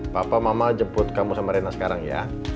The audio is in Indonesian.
papa mama jemput kamu sama rena sekarang ya